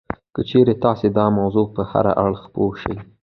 که چېرې تاسې د موضوع په هر اړخ پوه شئ